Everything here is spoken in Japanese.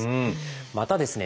またですね